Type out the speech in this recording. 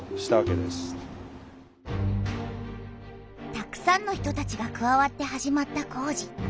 たくさんの人たちがくわわって始まった工事。